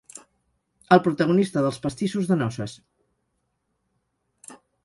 El protagonista dels pastissos de noces.